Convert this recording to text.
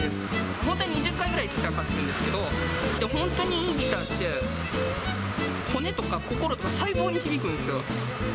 本当に２０回ぐらいギター買ってるんですけれども、本当にいいギターって、骨とか心とか細胞に響くんですよ。